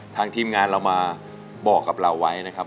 ทีมงานเรามาบอกกับเราไว้นะครับ